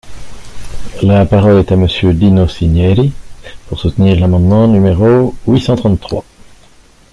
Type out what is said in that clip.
La parole est à Monsieur Dino Cinieri, pour soutenir l’amendement numéro huit cent trente-trois.